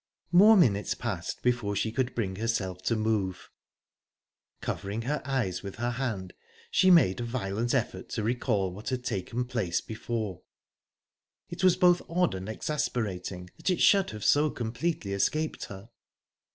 More minutes passed before she could bring herself to move. Covering her eyes with her hand, she made a violent effort to recall what had taken place before; it was both odd and exasperating that it should have so completely escaped her.